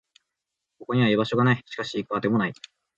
ここには居場所がない。しかし、行く当てもない。